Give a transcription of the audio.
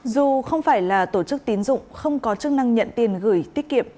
dù không phải là tổ chức tín dụng không có chức năng nhận tiền gửi tiết kiệm